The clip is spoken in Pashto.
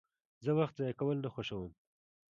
زه وخت ضایع کول نه خوښوم.